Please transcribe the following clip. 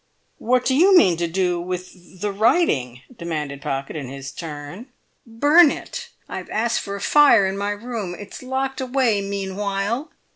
"What do you mean to do with—the writing?" demanded Pocket in his turn. "Burn it! I've asked for a fire in my room; it's locked away meanwhile."